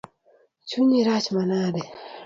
Chunyi rach manade?